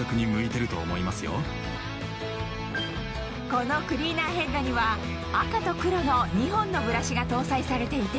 このクリーナーヘッドには赤と黒の２本のブラシが搭載されていて